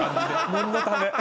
念のため。